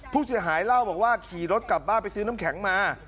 ผู้เสียหายเล่าบอกว่าขี่รถกลับบ้านไปซื้อน้ำแข็งมา